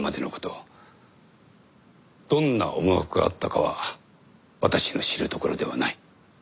どんな思惑があったかは私の知るところではない。